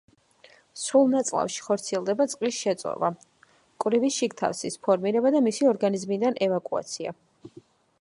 მსხვილ ნაწლავში ხორციელდება წყლის შეწოვა, მკვრივი შიგთავსის ფორმირება და მისი ორგანიზმიდან ევაკუაცია.